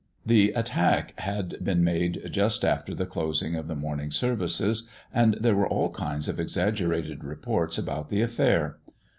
The attack had been made just after the closing of the morning services, and there were all kinds of exaggerated reports about the affair.